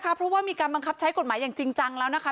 เพราะว่ามีการบังคับใช้กฎหมายอย่างจริงจังแล้วนะคะ